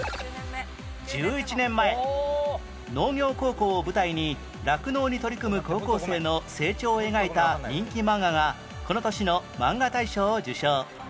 １１年前農業高校を舞台に酪農に取り組む高校生の成長を描いた人気マンガがこの年のマンガ大賞を受賞